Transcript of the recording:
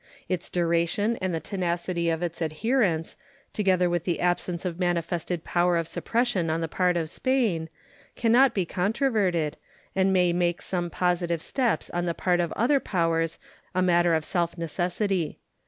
Its duration and the tenacity of its adherence, together with the absence of manifested power of suppression on the part of Spain, can not be controverted, and may make some positive steps on the part of other powers a matter of self necessity.